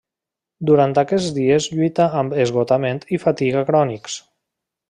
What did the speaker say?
Durant aquests dies lluita amb esgotament i fatiga crònics.